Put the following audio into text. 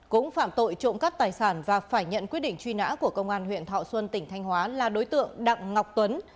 cũng phạm tội trộm cắt tài sản và phải nhận quyết định truy nã của công an huyện thọ xuân tỉnh thanh hóa là đối tượng đặng ngọc tuấn